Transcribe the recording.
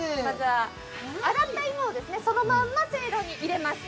洗った芋をそのまませいろに入れます。